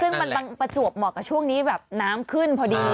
ซึ่งมันบางประจวบเหมาะกับช่วงนี้แบบน้ำขึ้นพอดี